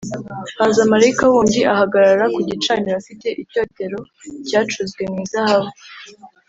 Haza marayika wundi ahagarara ku gicaniro afite icyotero cyacuzwe mu izahabu,